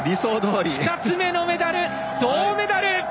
２つ目のメダル、銅メダル。